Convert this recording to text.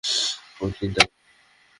কোচিন, তাই না?